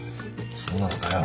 そうなのかよ。